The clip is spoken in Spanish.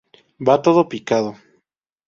Va todo picado.